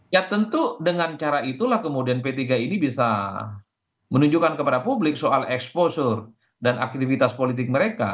ya tentu dengan cara itulah kemudian p tiga ini bisa menunjukkan kepada publik soal exposure dan aktivitas politik mereka